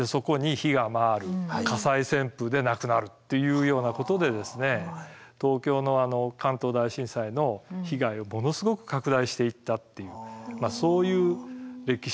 火災旋風で亡くなるっていうようなことで東京の関東大震災の被害をものすごく拡大していったっていうそういう歴史があるんですね。